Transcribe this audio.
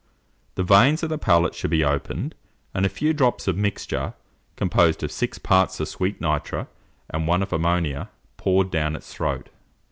The veins of the palate should be opened, and a few drops of mixture composed of six parts of sweet nitre and one of ammonia, poured down its throat.